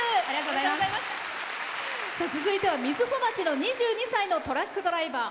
続いては瑞穂町の２２歳のトラックドライバー。